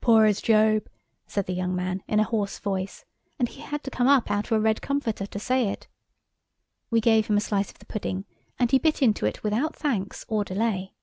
"Poor as Job," said the young man in a hoarse voice, and he had to come up out of a red comforter to say it. We gave him a slice of the pudding, and he bit into it without thanks or delay.